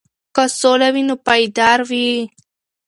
که سوله وي نو پایدار وي.